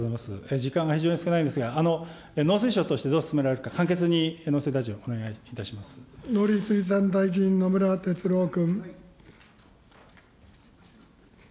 時間が非常に少ないんですが、農水省としてどう進められるか、簡農林水産大臣、野村哲郎君。